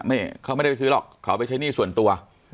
เขาไม่ได้ไปซื้อหรอกเขาไปใช้หนี้ส่วนตัว